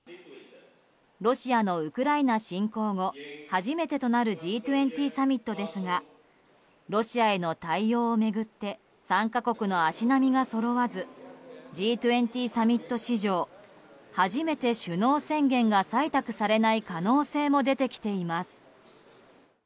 ロシアのウクライナ侵攻後初めてとなるＧ２０サミットですがロシアへの対応を巡って参加国の足並みがそろわずＧ２０サミット史上初めて首脳宣言が採択されない可能性も出てきています。